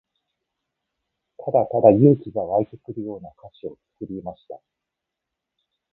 ただただ勇気が湧いてくるような歌詞を作りました。